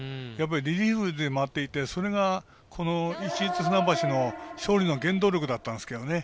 リリーフで待っていてそれが市立船橋の勝利の原動力だったんですけどね。